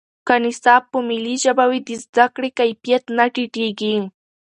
که نصاب په ملي ژبه وي، د زده کړې کیفیت نه ټیټېږي.